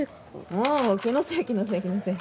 うん気のせい気のせい気のせい。